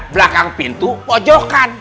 belakang pintu pojokan